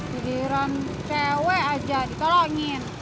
sidiran cewek aja ditolongin